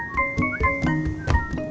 widu mau verba di sini